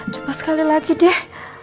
coba sekali lagi deh